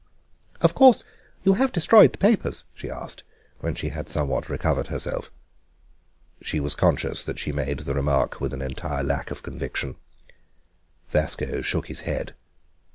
"Of course you have destroyed the papers?" she asked, when she had somewhat recovered herself. She was conscious that she made the remark with an entire lack of conviction. Vasco shook his head.